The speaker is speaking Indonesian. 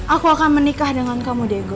aku akan menikah dengan kamu diego